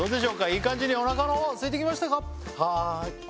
いい感じにおなかのほうすいてきましたか？